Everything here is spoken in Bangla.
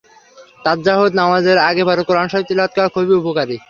তাহাজ্জুদ নামাজের আগে পরে কোরআন শরিফ তিলাওয়াত করা খুবই উপকারী।